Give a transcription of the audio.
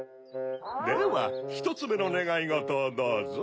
では１つめのねがいごとをどうぞ。